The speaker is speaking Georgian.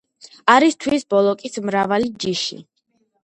არის თვის ბოლოკის მრავალი ჯიში.